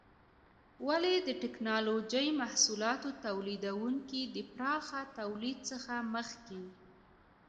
ولې د ټېکنالوجۍ محصولاتو تولیدونکي د پراخه تولید څخه مخکې؟